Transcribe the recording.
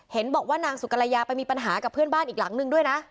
เห็นบอกว่านางสุกรยาไปมีปัญหากับเพื่อนบ้านอีกหลังนึงด้วยนะ